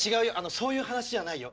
そういう話じゃないよ。